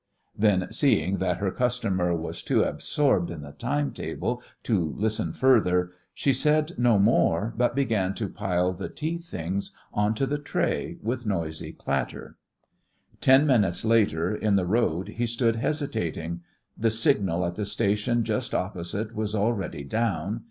Then, seeing that her customer was too absorbed in the time table to listen further, she said no more but began to pile the tea things on to the tray with noisy clatter. Ten minutes later, in the road, he stood hesitating. The signal at the station just opposite was already down.